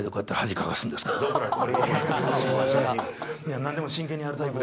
「なんでも真剣にやるタイプで」